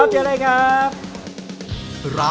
อันนี้ปลาอินซียักษ์นะครับ